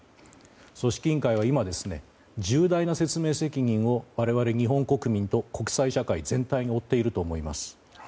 組織委員会は今、重大な説明責任を我々、日本国民と国際社会全体に負っていると思います。